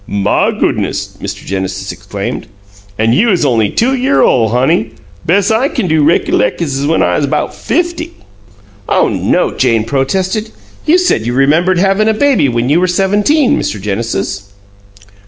"My goo'ness!" Mr. Genesis exclaimed. "An' you 'uz on'y two year ole, honey! Bes' I kin do is rickalect when I 'uz 'bout fifty." "Oh no!" Jane protested. "You said you remembered havin' a baby when you were seventeen, Mr. Genesis."